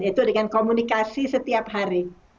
itu dengan komunikasi setiap hari